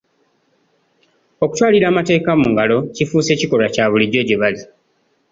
Okutwalira amateeka mu ngalo kifuuse kikolwa kya bulijjo gye bali.